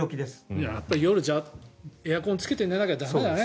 じゃあ夜はやっぱりエアコンつけて寝ないと駄目だね。